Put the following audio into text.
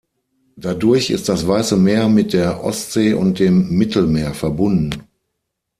Dadurch ist das Weiße Meer mit der Ostsee und dem Mittelmeer verbunden.